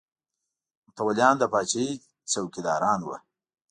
متولیان د پاچاهۍ څوکیداران وو.